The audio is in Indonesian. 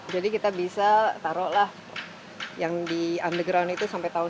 jadi kita bisa taruhlah yang di underground itu sampai tahun dua ribu empat puluh satu